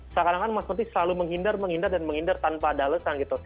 seakan akan mas menteri selalu menghindar menghindar dan menghindar tanpa ada alasan gitu